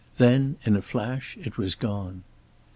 Then, in a flash, it was gone.